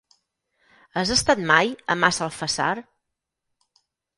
Has estat mai a Massalfassar?